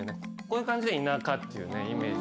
こういう感じで「田舎」っていうイメージ。